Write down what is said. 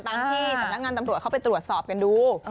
ที่สำนักงานตำรวจเข้าไปตรวจสอบกันดู